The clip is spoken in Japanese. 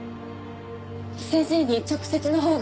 先生に直接のほうが。